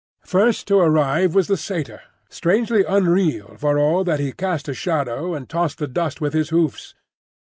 First to arrive was the Satyr, strangely unreal for all that he cast a shadow and tossed the dust with his hoofs.